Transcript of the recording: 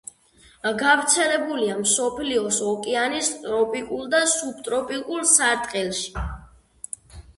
გავრცელებულია მსოფლიოს ოკეანის ტროპიკულ და სუბტროპიკულ სარტყელში.